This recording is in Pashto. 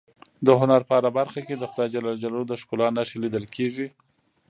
د هنر په هره برخه کې د خدای ج د ښکلا نښې لیدل کېږي.